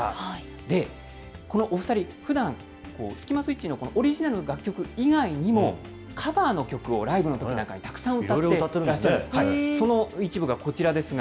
で、このお２人、ふだん、スキマスイッチのオリジナルの楽曲以外にも、カバーの曲をライブのときなんかにたくさん歌っていらっしゃるんいろいろ歌ってるんですね。